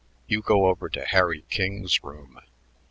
"You go over to Harry King's room.